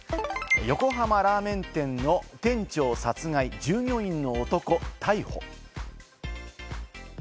横浜ラーメン店の店長殺害、従業員の男、逮捕。